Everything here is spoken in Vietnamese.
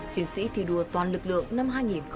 chiến sĩ thi đua toàn lực lượng năm hai nghìn hai mươi